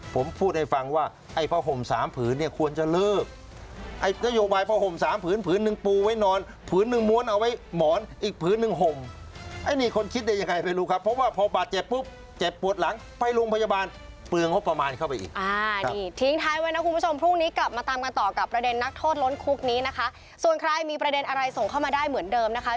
ประเด็นอะไรส่งเข้ามาได้เหมือนเดิมนะคะ